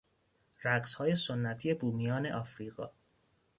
رقصهای سنتی بومیان افریقا